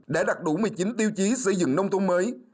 đã đặt đủ một mươi chín tiêu chí xây dựng nông thôn mới